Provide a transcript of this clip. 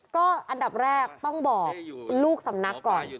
ก็อันดับแรกต้องบอกลูกสำนักก่อน